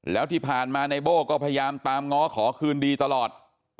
แล้วที่ผ่านมานายโบ้ก็พยายามตามง้อขอคืนดีตลอด